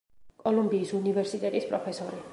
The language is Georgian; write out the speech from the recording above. კოლუმბიის უნივერსიტეტის პროფესორი.